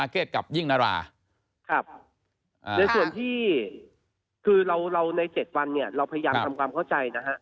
กับยิ่งนราครับในส่วนที่คือเราเราในเจ็ดวันเนี่ยเราพยายามทำความเข้าใจนะฮะ